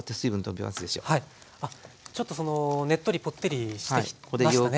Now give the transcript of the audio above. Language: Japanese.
あっちょっとねっとりぽってりしてきましたね。